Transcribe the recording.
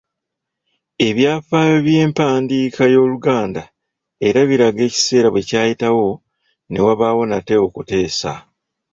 Ebyafaayo by’empandiika y’oluganda era biraga ekiseera bwe kyayitawo, ne wabaawo nate okuteesa .